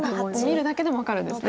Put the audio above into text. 見るだけでも分かるんですね。